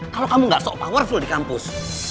kalau kamu gak sok power full di kampus